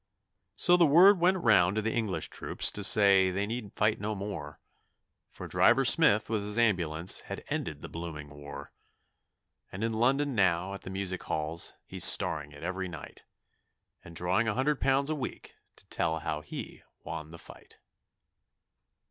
So the word went round to the English troops to say they need fight no more, For Driver Smith with his ambulance had ended the blooming war: And in London now at the music halls he's starring it every night, And drawing a hundred pounds a week to tell how he won the fight.